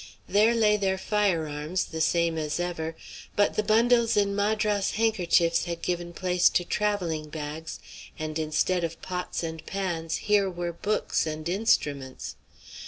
There lay their fire arms, the same as ever; but the bundles in Madras handkerchiefs had given place to travelling bags, and instead of pots and pans here were books and instruments.